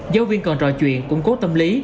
giáo viên còn trò chuyện củng cố tâm lý